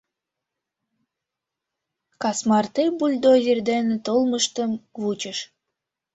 Кас марте бульдозер дене толмыштым вучыш.